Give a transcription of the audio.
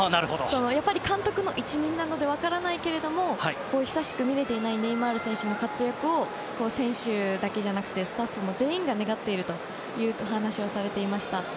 やっぱり監督の一任なので分からないけれども、久しく見れていないネイマール選手の活躍を選手だけじゃなくてスタッフも全員が願っているという話はされていました。